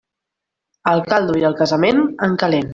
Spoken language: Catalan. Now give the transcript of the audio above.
El caldo i el casament, en calent.